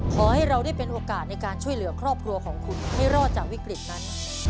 ขอให้เราได้เป็นโอกาสในการช่วยเหลือครอบครัวของคุณให้รอดจากวิกฤตนั้น